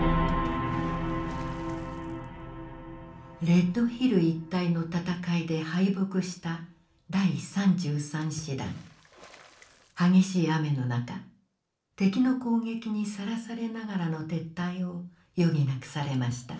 レッドヒル一帯の戦いで敗北した激しい雨の中敵の攻撃にさらされながらの撤退を余儀なくされました。